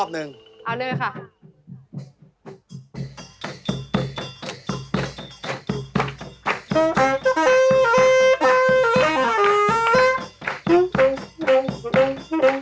กลัวก็ใช่